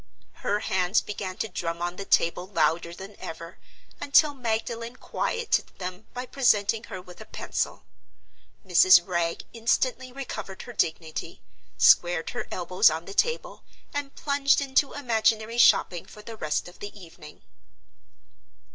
Her hands began to drum on the table louder than ever, until Magdalen quieted them by presenting her with a pencil. Mrs. Wragge instantly recovered her dignity, squared her elbows on the table, and plunged into imaginary shopping for the rest of the evening.